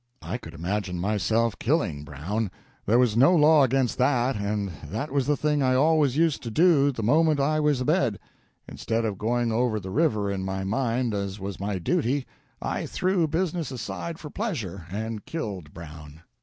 I could imagine myself killing Brown; there was no law against that, and that was the thing I always used to do the moment I was abed. Instead of going over the river in my mind, as was my duty, I threw business aside for pleasure, and killed Brown.